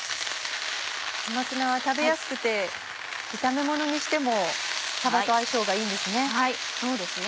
小松菜は食べやすくて炒めものにしてもさばと相性がいいんですね。